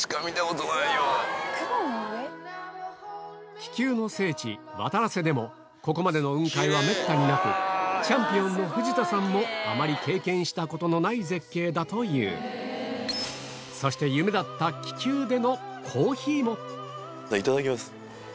気球の聖地渡良瀬でもここまでの雲海はめったになくチャンピオンの藤田さんもあまり経験したことのない絶景だというそしてキレイだなぁ本当に。